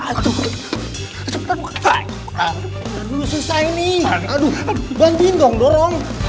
kaki gue jangan dipegangin